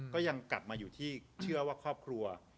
ก็ยังกลับมาอยู่ที่เชื่อว่าครอบครัว